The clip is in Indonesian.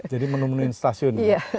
jadi menemuni stasiun